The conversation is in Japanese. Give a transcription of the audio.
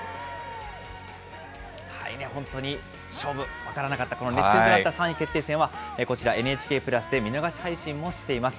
本当に勝負、分からなかった、この熱戦となった３位決定戦はこちら、ＮＨＫプラスで見逃し配信もしています。